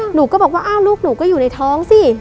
หนูก็บอกว่าอ้าวลูกหนูก็อยู่ในท้องสิ